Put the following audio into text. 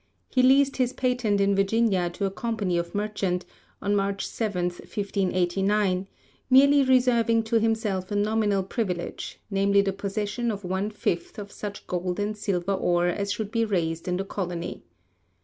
He leased his patent in Virginia to a company of merchants, on March 7, 1589, merely reserving to himself a nominal privilege, namely the possession of one fifth of such gold and silver ore as should be raised in the colony.